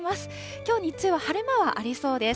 きょう日中、晴れ間はありそうです。